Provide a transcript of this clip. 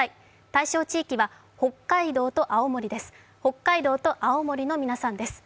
対象地域は北海道と青森の皆さんです。